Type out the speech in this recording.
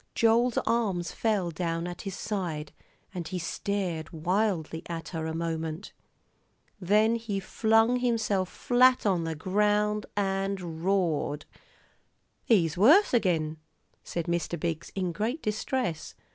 Joel's arms fell down at his side, and he stared wildly at her a moment. Then he flung himself flat on the ground and roared. "He's worse agin," said Mr. Biggs, in great distress.